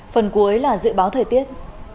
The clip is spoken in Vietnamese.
phần cuối là dự báo thời tiết